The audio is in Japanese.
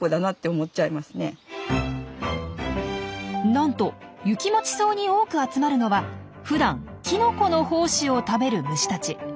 なんとユキモチソウに多く集まるのはふだんきのこの胞子を食べる虫たち。